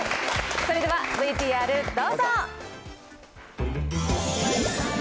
それではＶＴＲどうぞ。